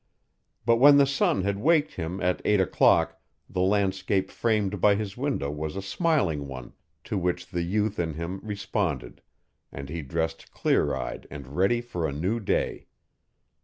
But when the sun had waked him at eight o'clock the landscape framed by his window was a smiling one to which the youth in him responded and he dressed clear eyed and ready for a new day.